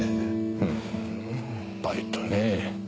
ふんバイトね。